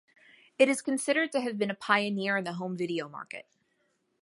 It is considered to have been a pioneer in the home video market.